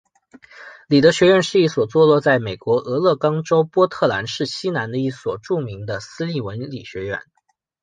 里德学院是一所坐落在美国俄勒冈州波特兰市西南的一所著名的私立文理学院。